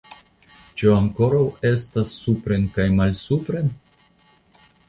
Ĉu ankoraŭ estas supren kaj malsupren?